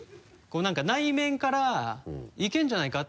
こう何か内面からいけるんじゃないか？